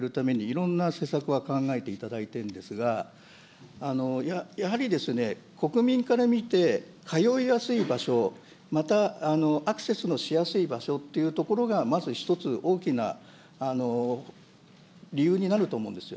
今、厚労省も受診率を上げるために、いろんな施策は考えていただいてるんですが、やはり国民から見て、通いやすい場所、またアクセスのしやすい場所というところが、まず一つ大きな理由になると思うんですよ。